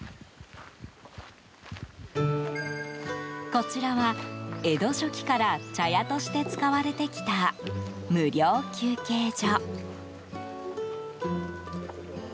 こちらは、江戸初期から茶屋として使われてきた無料休憩所。